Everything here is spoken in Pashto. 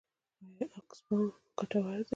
آیا اکسس بانک ګټور دی؟